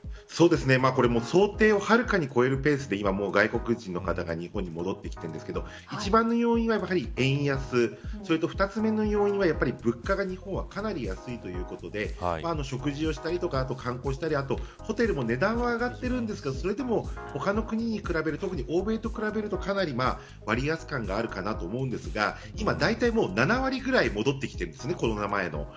想定をはるかに超えるペースで外国人の方が日本に戻ってきていますが一番の要因は円安そして２つ目の要因は物価がかなり安いということで食事をしたり、観光したりホテルも値段は上がっていますが他に比べると特に欧米と比べると割安感があるかなということでだいたい今はコロナ前の７割ぐらい戻ってきています。